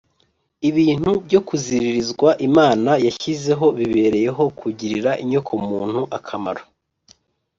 ” ibintu byo kuziririzwa imana yashyizeho bibereyeho kugirira inyokomuntu akamaro